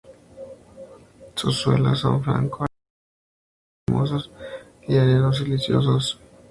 Sus suelos son franco-arenosos, areno-limosos, o areno-arcillosos, con una correcta aptitud agrícola o ganadera.